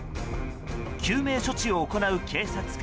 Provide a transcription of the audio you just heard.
救命処置を行う警察官。